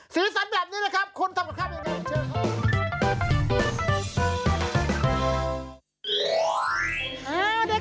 สีสันแบบนี้นะครับคุณทำกับข้าวอย่างไร